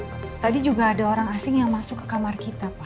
tadi juga ada orang asing yang masuk ke kamar kita pak